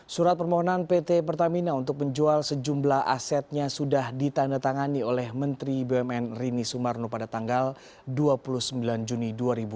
surat permohonan pt pertamina untuk menjual sejumlah asetnya sudah ditandatangani oleh menteri bumn rini sumarno pada tanggal dua puluh sembilan juni dua ribu dua puluh